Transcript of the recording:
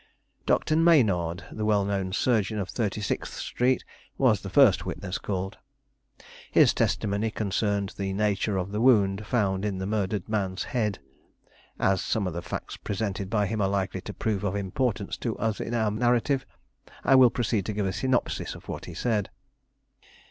Dr. Maynard, the well known surgeon of Thirty sixth Street, was the first witness called. His testimony concerned the nature of the wound found in the murdered man's head. As some of the facts presented by him are likely to prove of importance to us in our narrative, I will proceed to give a synopsis of what he said.